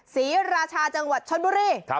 ศรีราชาจังหวัดชนบุรี